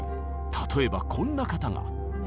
例えばこんな方が。